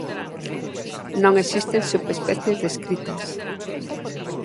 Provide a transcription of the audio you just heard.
Non existen subespecies descritas.